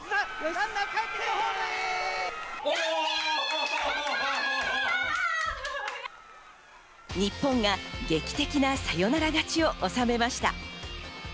ランナーか日本が劇的なサヨナラ勝ちを収めました。